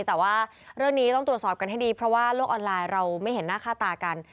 แต่ว่าเรื่องนี้ต้องตรวจสอบกันให้ดีเพราะว่าโลกออนไลน์เราไม่เห็นหน้าค่าตากัน